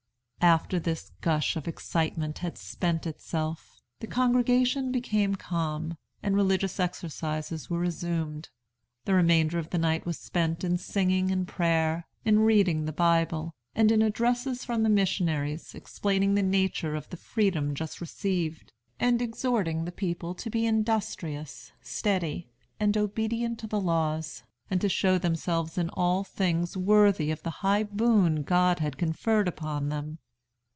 "After this gush of excitement had spent itself, the congregation became calm, and religious exercises were resumed. The remainder of the night was spent in singing and prayer, in reading the Bible, and in addresses from the missionaries, explaining the nature of the freedom just received, and exhorting the people to be industrious, steady, and obedient to the laws, and to show themselves in all things worthy of the high boon God had conferred upon them.